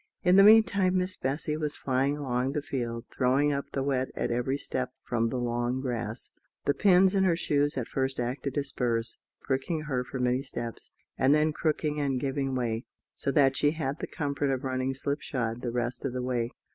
In the meantime Miss Bessy was flying along the field, throwing up the wet at every step from the long grass. The pins in her shoes at first acted as spurs, pricking her for many steps, and then crooking and giving way; so that she had the comfort of running slipshod the rest of the way.